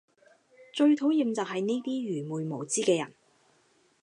最討厭就係呢啲愚昧無知嘅人